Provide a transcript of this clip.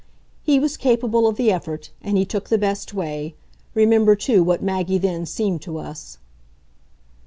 "He was capable of the effort, and he took the best way. Remember too what Maggie then seemed to us."